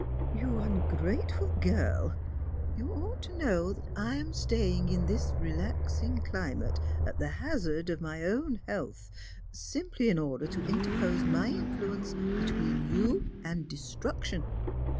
" You ungrateful girl 1 You ought to know that I an staviner in this r(4nxinir c^mate, at the hazard of mv own 86 Strangers and Pilgrims. health, simply in order to interpose my influence between yoa and destruction."